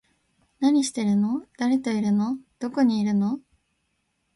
何してるの？誰といるの？どこにいるの？